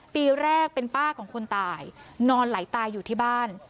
ปีแรกเป็นป้าของคนตายนอนไหลตายอยู่ที่บ้าน